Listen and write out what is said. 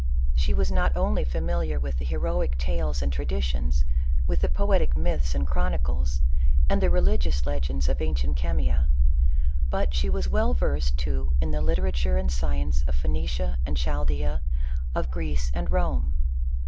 She was not only familiar with the heroic tales and traditions, with the poetic myths and chronicles, and the religious legends of ancient Chemia ; but she was well versed, too, in the literature and science of Phoenicia and Chaldsea, of Greece and Rome.